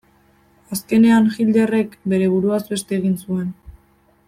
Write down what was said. Azkenean Hitlerrek bere buruaz beste egin zuen.